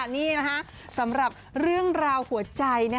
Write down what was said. นี่นะคะสำหรับเรื่องราวหัวใจ